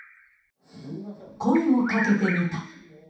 声をかけてみた。